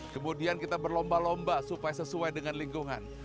kemudian kita berlomba lomba supaya sesuai dengan lingkungan